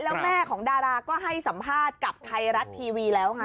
แล้วแม่ของดาราก็ให้สัมภาษณ์กับไทยรัฐทีวีแล้วไง